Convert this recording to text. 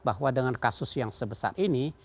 bahwa dengan kasus yang sebesar ini